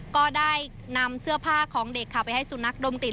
ก็ได้นำเสื้อผ้าของเด็กไปให้สู่นักดมติด